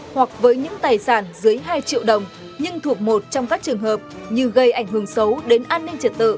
hoặc với những tài sản dưới hai triệu đồng nhưng thuộc một trong các trường hợp như gây ảnh hưởng xấu đến an ninh trật tự